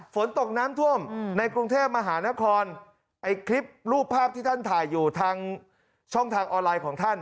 ฝนตกน้ำท่วมในกรุงเทพมหานครไอ้คลิปรูปภาพที่ท่านถ่ายอยู่ทางช่องทางออนไลน์ของท่าน